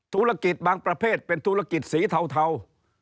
ธุรกิจบางประเภทเป็นธุรกิจสีเทา